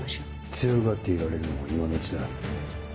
強がっていられるのも今のうちだ。